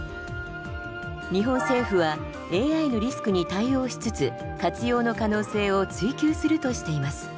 日本政府はＡＩのリスクに対応しつつ活用の可能性を追求するとしています。